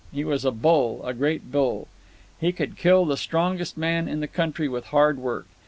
He was a bull, a great bull. He could kill the strongest man in the country with hard work.